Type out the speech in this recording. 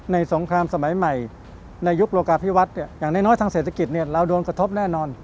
สงครามสมัยใหม่ในยุคโลกาพิวัฒน์อย่างน้อยทางเศรษฐกิจเราโดนกระทบแน่นอน